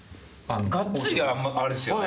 がっつりはあんまあれですよね。